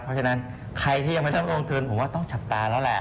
เพราะฉะนั้นใครที่ยังไม่ต้องลงทุนผมว่าต้องจับตาแล้วแหละ